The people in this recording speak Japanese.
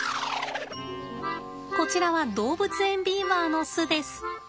こちらは動物園ビーバーの巣です。